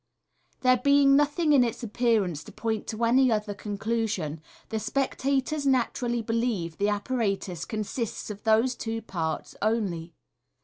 There being nothing in its appearance to point to any other conclusion, the spectators naturally believe that the apparatus consists of those two parts only.